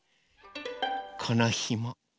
このひも。